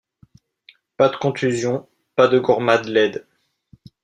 Pas de contusions ; pas de gourmades laides.